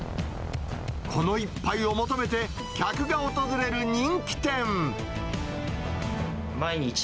この一杯を求めて、客が訪れる人気店。